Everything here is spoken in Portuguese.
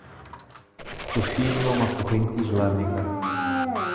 Sufismo é uma corrente islâmica